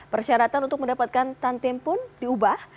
persyaratan untuk mendapatkan tantim pun diubah